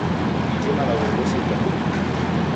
Dije malagho ghose itakoniji.